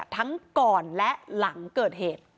ทั้งก่อนและหลังเกิดเหตุ